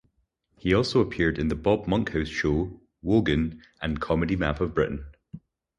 He also appeared in "The Bob Monkhouse Show", "Wogan" and "Comedy Map of Britain".